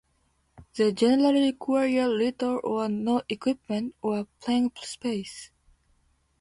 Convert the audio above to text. They generally require little or no equipment or playing space.